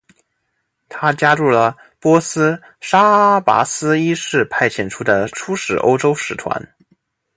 他加入了波斯沙阿阿拔斯一世派遣的出使欧洲使团。